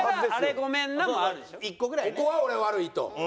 「ここは俺悪い」と。